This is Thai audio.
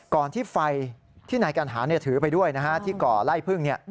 ก่อนที่ไฟที่นายกัณหาถือไปด้วยที่ก่อไล่พึ่ง